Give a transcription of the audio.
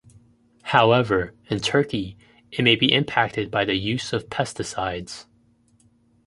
However, in Turkey it may be impacted by the use of pesticides.